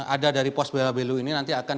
ada dari pos bwb lu ini nanti akan